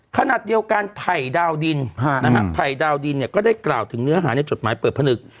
ขนาดเดียวกันภัยดาวดินนะครับภัยดาวดินเนี่ยก็ได้กล่าวถึงเนื้อหาจดหมายเปิดพนึก